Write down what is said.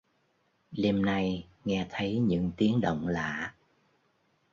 Đêm nay nghe thấy những tiếng động lạ